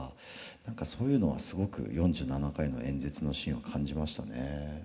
何かそういうのはすごく４７回の演説のシーンは感じましたね。